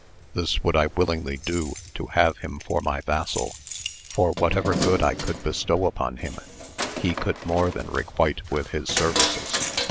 This would I willingly do to have him for my vassal, for whatever good I could bestow upon him he could more than requite with his services.